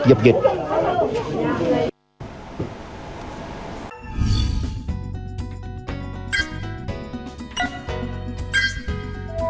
giúp địa phương